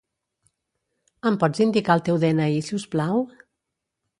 Em pots indicar el teu de-ena-i, si us plau?